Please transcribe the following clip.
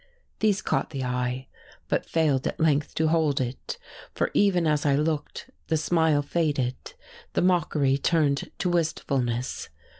These caught the eye, but failed at length to hold it, for even as I looked the smile faded, the mockery turned to wistfulness.